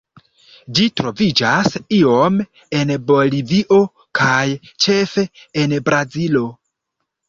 Ĝi troviĝas iom en Bolivio kaj ĉefe en Brazilo.